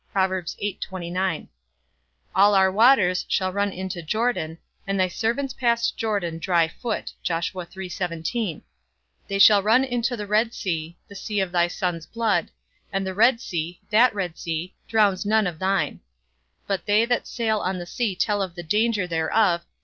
All our waters shall run into Jordan, and thy servants passed Jordan dry foot; they shall run into the red sea (the sea of thy Son's blood), and the red sea, that red sea, drowns none of thine: but they that sail on the sea tell of the danger thereof.